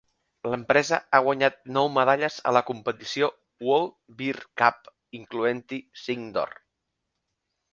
L'empresa ha guanyat nou medalles a la competició World Beer Cup, incloent-hi cinc d'or.